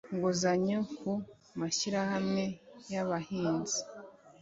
inguzanyo ku mashyirahamwe y'abahinzi